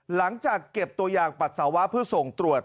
หลังจากเก็บตัวอย่างปัสสาวะเพื่อส่งตรวจ